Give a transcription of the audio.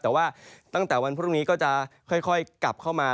แต่ว่าตั้งแต่วันพรุ่งนี้ก็จะค่อยกลับเข้ามา